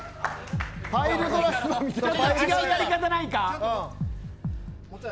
違うやり方ないか。